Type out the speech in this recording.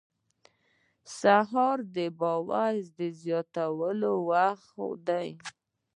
سهار د باور زیاتولو وخت دی.